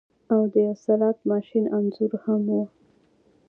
او د یو سلاټ ماشین انځور هم و